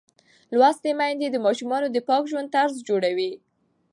لوستې میندې د ماشومانو د پاک ژوند طرز جوړوي.